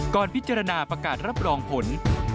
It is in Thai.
พิจารณาประกาศรับรองผล